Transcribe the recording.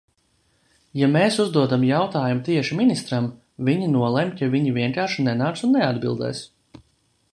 Ja mēs uzdodam jautājumu tieši ministram, viņi nolemj, ka viņi vienkārši nenāks un neatbildēs.